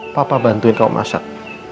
papa bantuin kamu masak